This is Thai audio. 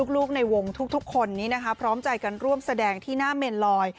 ลูกในวงทุกคนนี้นะคะพร้อมใจกันร่วมแสดงที่หน้าเมนลอย